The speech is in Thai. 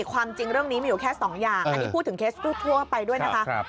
ความจริงเรื่องนี้มีอยู่แค่๒อย่างอันนี้พูดถึงเคสทั่วไปด้วยนะคะ